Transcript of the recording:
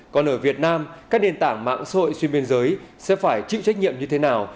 còn ở việt nam các nền tảng mạng xã hội xuyên biên giới sẽ phải chịu trách nhiệm như thế nào